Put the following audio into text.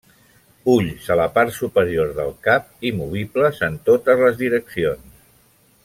Ulls a la part superior del cap i movibles en totes les direccions.